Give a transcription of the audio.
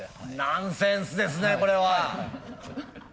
ナンセンスですねこれは。